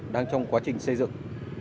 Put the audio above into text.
đang trong quá trình xây dựng